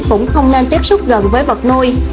cũng không nên tiếp xúc gần với vật nuôi